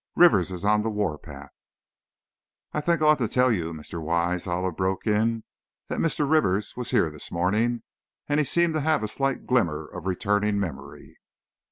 Rivers is on the warpath " "I think I ought to tell you, Mr. Wise," Olive broke in, "that Mr. Rivers was here this morning, and he seems to have a slight glimmer of returning memory."